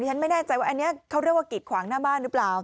ฉันไม่แน่ใจว่าอันนี้เขาเรียกว่ากิดขวางหน้าบ้านหรือเปล่า